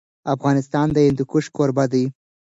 افغانستان د هندوکش کوربه دی.